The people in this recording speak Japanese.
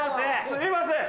すいません。